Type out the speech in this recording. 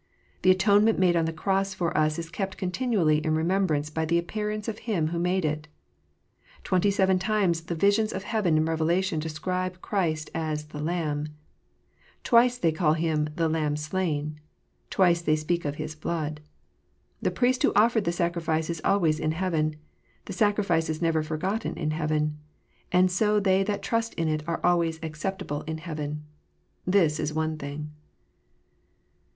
The atonement made on the cross for us is kept continually in remembrance by the appearance of Him who made it. Twenty seven times the visions of heaven in Revelation describe Christ as the " Lamb." Twice they call Him " the Lamb slain." Twice they speak of His " blood." The Priest who offered the sacrifice is always in heaven : the sacrifice is never forgotten in heaven : and so they that trust in it are always acceptable in heaven. This is one thing.